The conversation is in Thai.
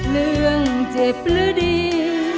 เรื่องเจ็บหรือดี